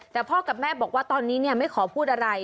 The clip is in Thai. แต่พ่อกับแม่บอกว่าตอนนี้ไม่ขอพูดอะไร